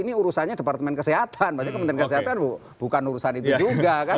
ini urusannya departemen kesehatan maksudnya kementerian kesehatan bukan urusan itu juga kan